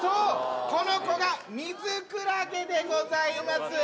この子がミズクラゲでございます。